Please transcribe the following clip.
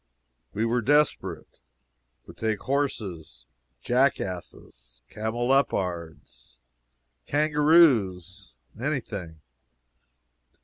We were desperate would take horses, jackasses, cameleopards, kangaroos any thing.